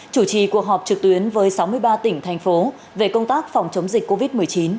chủ trì cuộc họp trực tuyến với sáu mươi ba tỉnh thành phố về công tác phòng chống dịch covid một mươi chín